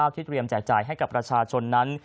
ที่เตรียมแจกจ่ายให้กับประชาชนนั้น